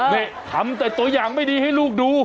นี่ทำแต่ตัวอย่างไม่ดีให้ลูกดู